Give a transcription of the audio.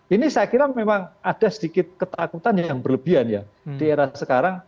ini saya kira memang ada sedikit ketakutan yang berlebihan ya di era sekarang